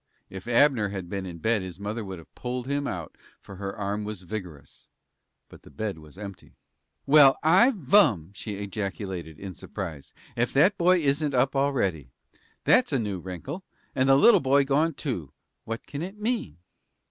If Abner had been in bed his mother would have pulled him out, for her arm was vigorous, but the bed was empty. "Well, I vum!" she ejaculated, in surprise. "Ef that boy isn't up already. That's a new wrinkle. And the little boy gone, too. What can it mean?"